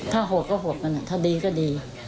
ถ้าโหดก็โหดมันถ้าดีก็ดี